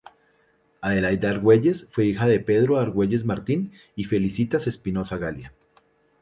Adelaida Argüelles fue hija de Pedro Argüelles Martín y Felicitas Espinosa Galia.